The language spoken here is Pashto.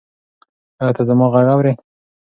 ایا ته زما غږ اورې؟